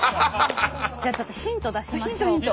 じゃあちょっとヒント出しましょう。